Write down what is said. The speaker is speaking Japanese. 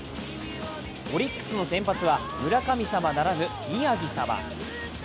オリックスの先発は村神様ならぬ宮城様。